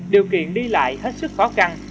điều kiện đi lại hết sức khó căng